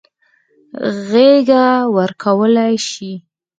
غېږه ورکولای شي.